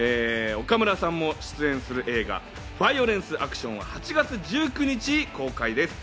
岡村さんも出演する映画『バイオレンスアクション』は８月１９日公開です。